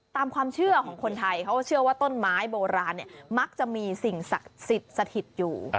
ตามความเชื่อของคนไทยเขาก็เชื่อว่าต้นไม้โบราณเนี่ยมักจะมีสิ่งศักดิ์สิทธิ์สถิตอยู่